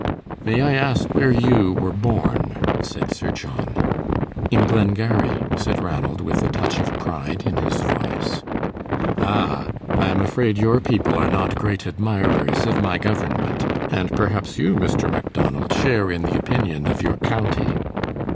"May I ask where you were born?" said Sir John. "In Glengarry," said Ranald, with a touch of pride in his voice. "Ah, I am afraid your people are not great admirers of my government, and perhaps you, Mr. Macdonald, share in the opinion of your county."